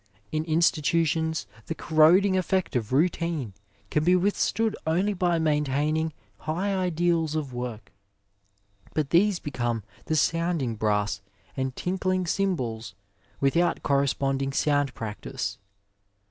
In Institutions the corroding effect of routine can be withstood only by main taining high ideals of work ; but these become the sound ing brass and tinkling cymbals without corresponding sound practice.